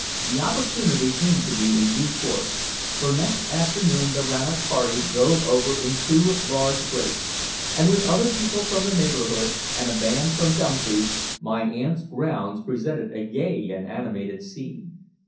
The opportunity came to me in due course, for next afternoon the Rannoch party drove over in two large brakes, and with other people from the neighborhood and a band from Dumfries, my aunt's grounds presented a gay and animated scene.